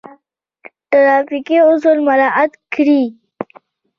ټرافیکي اصول مراعات کړئ